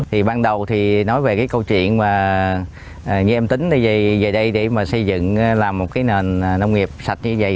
thì ban đầu thì nói về cái câu chuyện mà như em tính về đây để mà xây dựng làm một cái nền nông nghiệp sạch như vậy